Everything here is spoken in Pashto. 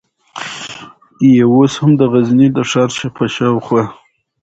یې اوس هم د غزني د ښار په شاوخوا